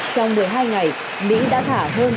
trong một mươi hai ngày mỹ đã thả hơn ba mươi sáu đồng